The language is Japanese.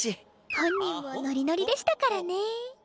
本人もノリノリでしたからね。